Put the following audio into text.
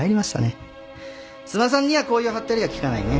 須磨さんにはこういうはったりは効かないね。